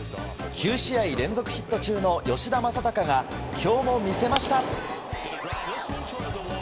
９試合連続ヒット中の吉田正尚が今日も見せました。